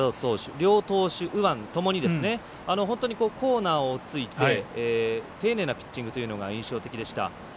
両投手右腕ともに本当にコーナーをついて丁寧なピッチングというのが印象的でした。